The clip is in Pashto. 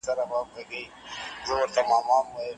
کار او دنده د ټولنیز ژوند مهمه برخه ده.